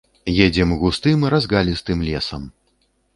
Едзем густым разгалістым лесам.